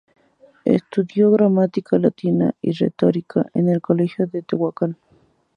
Estudio gramática latina y retórica en el colegio de Tehuacán.